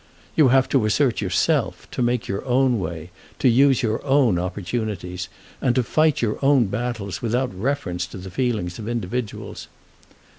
You have to assert yourself, to make your own way, to use your own opportunities, and to fight your own battle without reference to the feelings of individuals.